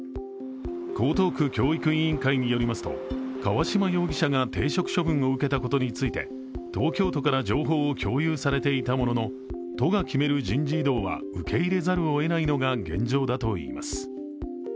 江東区教育委員会によりますと、河嶌容疑者が停職処分を受けたことについて、東京都から情報を共有されていたものの、都が決める人事異動は受け入れざるをえないのが現状だといいます。